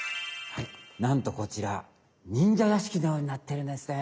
なんとこちらにんじゃやしきのようになってるんですね。